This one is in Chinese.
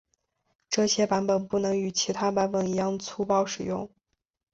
这些版本不能与其他版本一样粗暴使用。